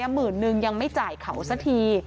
หมื่นนึงยังไม่จ่ายเขาสักที